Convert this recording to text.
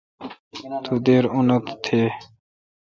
تو دیر اونت تھین۔